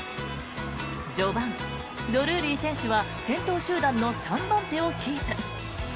序盤、ドルーリー選手は先頭集団の３番手をキープ。